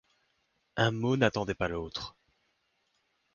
Un mot n’attendait pas l’autre.